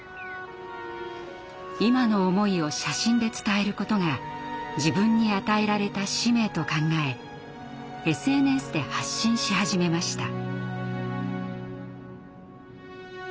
今の思いを写真で伝えることが自分に与えられた使命と考えＳＮＳで発信し始めました。